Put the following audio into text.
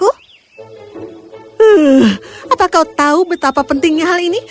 hmm apa kau tahu betapa pentingnya hal ini